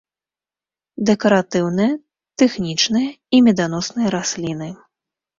Дэкаратыўныя, тэхнічныя і меданосныя расліны.